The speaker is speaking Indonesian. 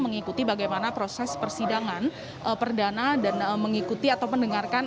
mengikuti bagaimana proses persidangan perdana dan mengikuti atau mendengarkan